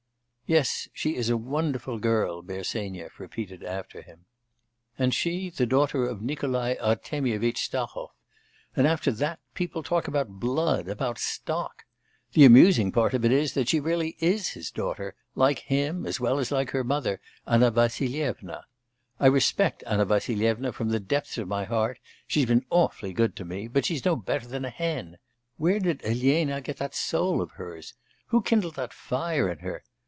'Yes; she is a wonderful girl,' Bersenyev repeated after him. 'And she the daughter of Nikolai Artemyevitch Stahov! And after that people talk about blood, about stock! The amusing part of it is that she really is his daughter, like him, as well as like her mother, Anna Vassilyevna. I respect Anna Vassilyevna from the depths of my heart, she's been awfully good to me; but she's no better than a hen. Where did Elena get that soul of hers? Who kindled that fire in her?